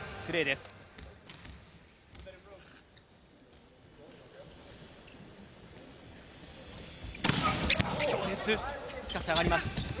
しかし上がります。